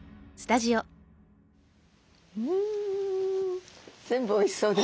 うん全部おいしそうです。